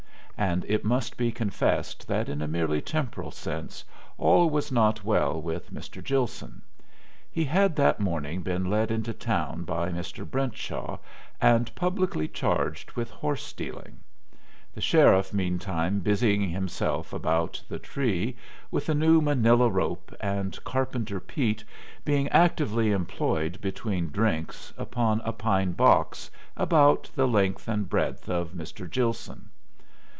And it must be confessed that in a merely temporal sense all was not well with Mr. Gilson. He had that morning been led into town by Mr. Brentshaw and publicly charged with horse stealing; the sheriff meantime busying himself about The Tree with a new manila rope and Carpenter Pete being actively employed between drinks upon a pine box about the length and breadth of Mr. Gilson.